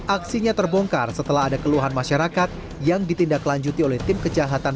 aksinya terbongkar setelah ada keluhan masyarakat yang ditindaklanjuti oleh tim kejahatan